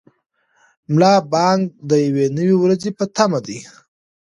ملا بانګ د یوې نوې ورځې په تمه دی.